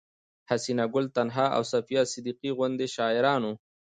حسينه ګل تنها او صفيه صديقي غوندې شاعرانو